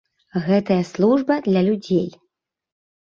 Гэтая служба для людзей.